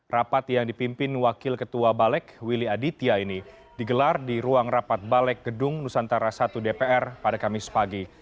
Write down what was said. rapat yang dipimpin wakil ketua balek willy aditya ini digelar di ruang rapat balek gedung nusantara i dpr pada kamis pagi